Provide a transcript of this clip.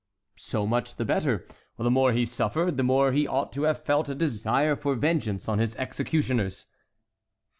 "So much the better; the more he suffered, the more he ought to have felt a desire for vengeance on his executioners."